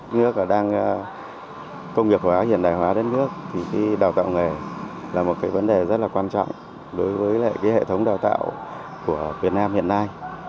nước đang công nghiệp hóa hiện đại hóa đến nước thì đào tạo nghề là một vấn đề rất quan trọng đối với hệ thống đào tạo của việt nam hiện nay